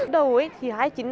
đầu thì hai chị bắt con đi